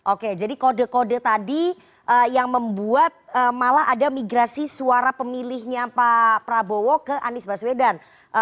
oke jadi kode kode tadi yang membuat malah ada migrasi suara pemilihnya pak prabowo ke anies baswedan